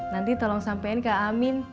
nanti tolong sampein ke amin